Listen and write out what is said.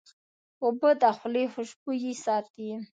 اوبه د خولې خوشبویي ساتي.